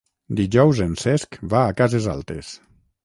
Dijous en Cesc va a Cases Altes.